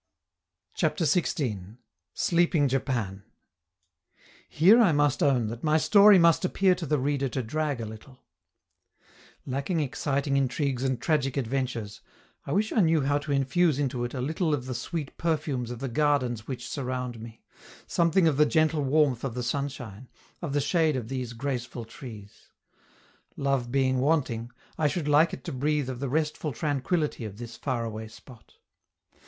CHAPTER XVI. SLEEPING JAPAN Here I must own that my story must appear to the reader to drag a little. Lacking exciting intrigues and tragic adventures, I wish I knew how to infuse into it a little of the sweet perfumes of the gardens which surround me, something of the gentle warmth of the sunshine, of the shade of these graceful trees. Love being wanting, I should like it to breathe of the restful tranquillity of this faraway spot.